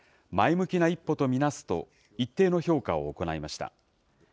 前向きな一歩と見なすと、一定の評価を行いました。